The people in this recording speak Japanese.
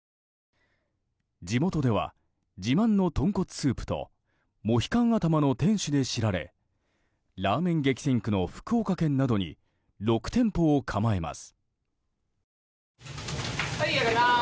地元では、自慢の豚骨スープとモヒカン頭の店主で知られラーメン激戦区の福岡県などに６店舗を構えます。